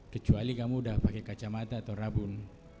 kecuali kamu sudah pakai kacamata atau rabun